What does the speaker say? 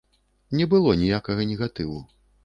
Не было ніякага негатыву.